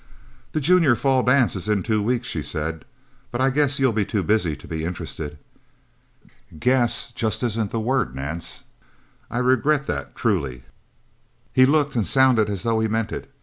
"The Junior Fall dance is in two weeks," she said. "But I guess you'll be too busy to be interested?" "'Guess' just isn't the word, Nance. I regret that truly." He looked and sounded as though he meant it.